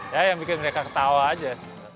ya yang bikin mereka ketawa aja sih